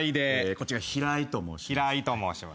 こっちが平井と申します。